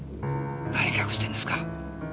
何隠してんですか？